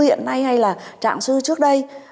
hiện nay hay là trạng sư trước đây